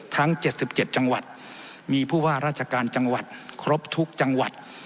ทั้ง๗๗จังหวัดมีผู้ว่าราชการจังหวัดครบทุกจังหวัด